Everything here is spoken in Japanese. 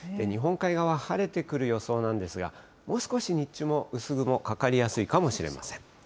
日本海側、晴れてくる予想なんですが、もう少し日中も薄雲かかりやすいかもしれません。